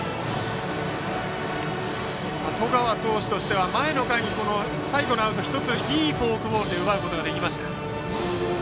十川投手としては前の回の最後のアウトを１ついいフォークボールで奪うことができました。